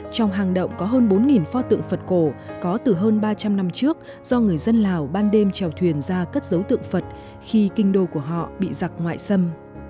trong hang động có hơn bốn pho tượng phật cổ có từ hơn ba trăm linh năm trước do người dân lào ban đêm trèo thuyền ra cất dấu tượng phật khi kinh đô của họ bị giặc ngoại xâm